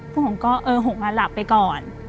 ผู้หญิงก็เออหุงอะหลับไปก่อน